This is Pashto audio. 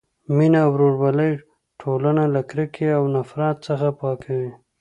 مینه او ورورولي ټولنه له کرکې او نفرت څخه پاکوي.